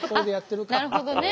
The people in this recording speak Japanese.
なるほどね。